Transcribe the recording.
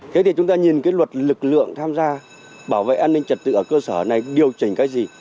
thế thì chúng ta nhìn cái luật lực lượng tham gia bảo vệ an ninh trật tự ở cơ sở này điều chỉnh cái gì